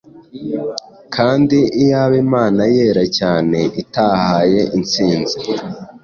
Kandi iyaba Imana yera cyane itahaye intsinzi